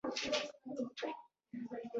بل لامل پرانېستو بنسټونو ته د خلکو لاسرسی وګڼو.